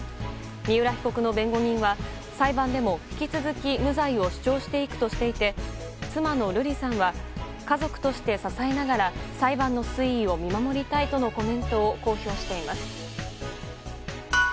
三浦被告の弁護人は裁判でも引き続き無罪を主張していくとしていて妻の瑠麗さんは家族として支えながら裁判の推移を見守りたいとのコメントを公表しています。